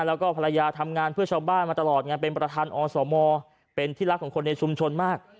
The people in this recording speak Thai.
แล้วก็ภรรยาทำงานเพื่อชาวบ้านมาตลอดไงเป็นประธานอสมเป็นที่รักของคนในชุมชนมาก